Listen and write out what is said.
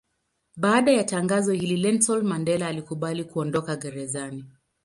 Baada ya tangazo hili Nelson Mandela alikubali kuondoka gerezani.